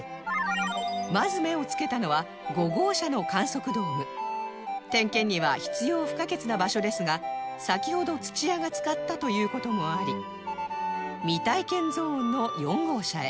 まず目を付けたのは５号車の観測ドーム点検には必要不可欠な場所ですが先ほど土屋が使ったという事もあり未体験ゾーンの４号車へ